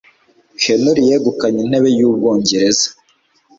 Henry yegukanye intebe y'Ubwongereza